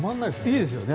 いいですよね